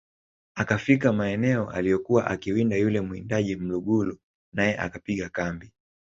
akafika maeneo aliyokuwa akiwinda yule muwindaji Mlugulu nae akapiga kambi